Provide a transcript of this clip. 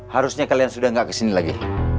harusnya kalian sudah tidak kesini lagi